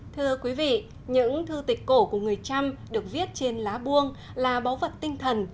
thưa quý vị những thư tịch cổ của người trăm được viết trên lá buông là báu vật tinh thần